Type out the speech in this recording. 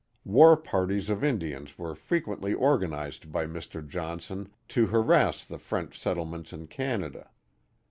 War parties of Indians were frequently organized by Mr. Johnson to harass the French set tlements in Canada.